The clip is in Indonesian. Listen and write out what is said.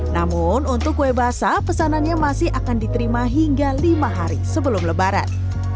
namun untuk kue basah pesanannya masih akan diterima hingga lima hari sebelum lebaran